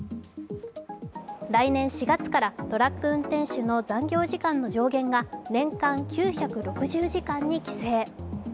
来年４月からトラック運転手の残業時間の上限が年間９６０時間に規制。